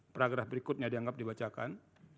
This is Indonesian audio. pragraf berikutnya dianggap dibacakan